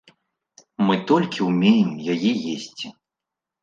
Мы толькі ўмеем яе есці.